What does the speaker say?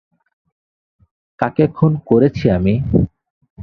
কাকে খুন করেছি আমি?